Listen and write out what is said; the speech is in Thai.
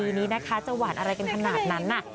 นี้นะคะจะหวานอะไรกันขนาดนั้นน่ะ